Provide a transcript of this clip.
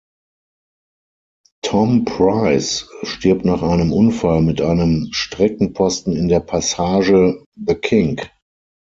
Tom Pryce stirbt nach einem Unfall mit einem Streckenposten in der Passage „The Kink“.